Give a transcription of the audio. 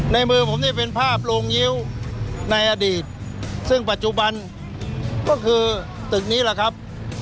ในมือผมนี่เป็นภาพโรงยิ้วในอดีตซึ่งปัจจุบันก็คือตึกนี้แหละครับ